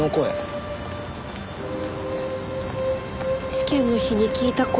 事件の日に聞いた声。